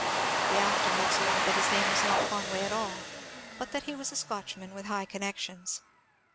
We afterwards learned that his name was not Conway at all, but that he was a Scotchman with high connections.